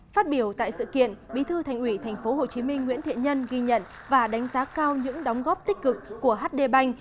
phát biểu tại sự kiện bí thư thành ủy tp hcm nguyễn thiện nhân ghi nhận và đánh giá cao những đóng góp tích cực của hd bành